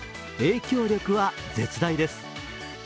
影響力は絶大です。